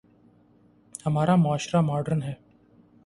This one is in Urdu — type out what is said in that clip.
ہمارا معاشرہ ماڈرن ہے۔